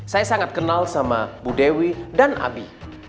saya sangat kenal sama bu dewi dan abi